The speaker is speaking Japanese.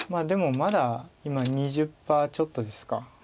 でもまだ今２０％ちょっとですか。